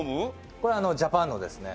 これはジャパンのですね。